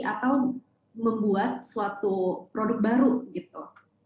atau membuat suatu produk baru gitu